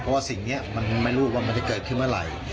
เพราะว่าสิ่งนี้มันไม่รู้ว่ามันจะเกิดขึ้นเมื่อไหร่